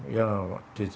ya tidak tahu